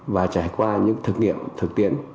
và trải qua những thực nghiệm thực tiễn